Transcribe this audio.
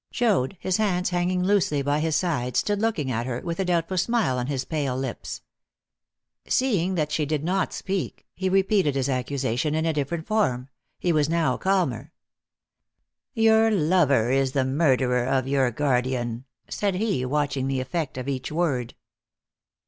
Joad, his hands hanging loosely by his sides, stood looking at her, with a doubtful smile on his pale lips. Seeing that she did not speak, he repeated his accusation in a different form. He was now calmer. "Your lover is the murderer of your guardian," said he, watching the effect of each word.